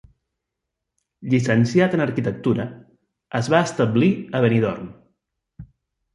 Llicenciat en arquitectura, es va establir a Benidorm.